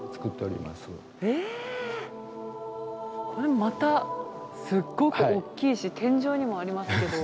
これまたすっごく大きいし天井にもありますけど。